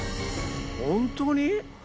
本当に！？